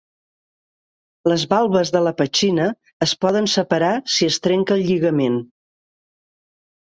Les valves de la petxina es poden separar si es trenca el lligament.